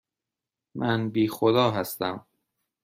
من بی خدا هستم.